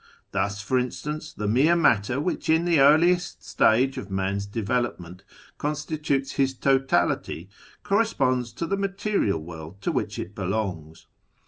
Thus, for instance, the mere matter which in the earliest stage of man's development constitutes his totality corresponds to the material world to which it belongs.